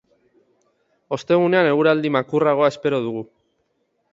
Ostegunean eguraldi makurragoa espero dugu.